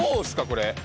これ。